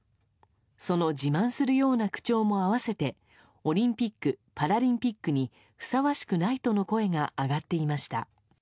その自慢するような口調も併せてオリンピック・パラリンピックにふさわしくないとの声が上がっていました。